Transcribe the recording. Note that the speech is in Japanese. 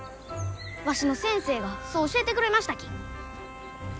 わしの先生がそう教えてくれましたき。